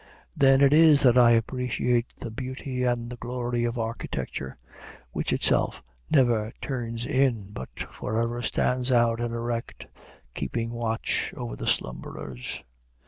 Then it is that I appreciate the beauty and the glory of architecture, which itself never turns in, but forever stands out and erect, keeping watch over the slumberers.